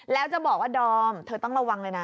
แล้วจะบอกว่าดอมเธอต้องระวังเลยนะ